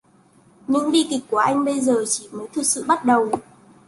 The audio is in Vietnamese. Nhưng bi kịch của anh bây giờ mới chỉ thực sự bắt đầu